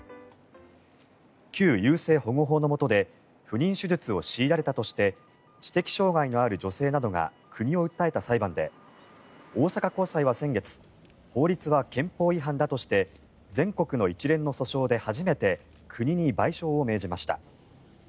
旧優生保護法のもとで不妊手術を強いられたとして知的障害のある女性などが国を訴えた裁判で大阪高裁は先月法律は憲法違反だとして全国の一連の訴訟で初めて国に賠償を命じました。